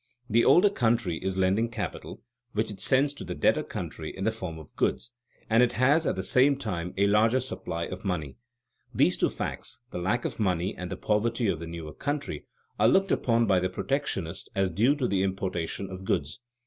The older country is lending capital (which it sends to the debtor country in the form of goods) and it has at the same time a larger supply of money. These two facts the lack of money and the poverty of the newer country are looked upon by the protectionist as due to the importation of goods.